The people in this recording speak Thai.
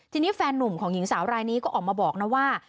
ทีนี้แฟนนุ่มของหญิงสาวรายนี้ก็ออกมาบอกนะว่า